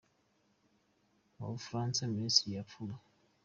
Mubufaransa Minisitiri yapfuye